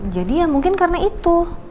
jadi ya mungkin karena itu